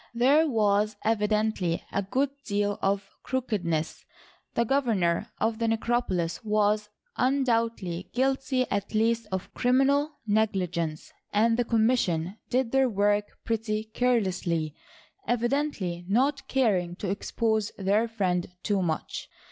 There was evidently a good deal of crookedness ; the governor of the necropolis was undoubtedly guilty at least of criminal neg ligence, and the commission did their work pretty careless ly, evidently not caring to expose their friend too much.